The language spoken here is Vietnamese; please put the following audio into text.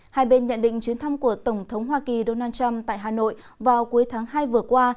hai bên nhận định chuyến thăm của tổng thống hoa kỳ donald trump tại hà nội vào cuối tháng hai vừa qua